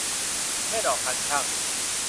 แม่เดาะคันชั่ง